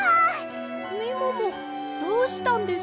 みももどうしたんです？